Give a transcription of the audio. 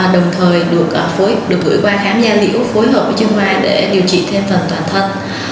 đồng thời được gửi qua khám da liễu phối hợp với chương khoa để điều trị thêm phần toàn thân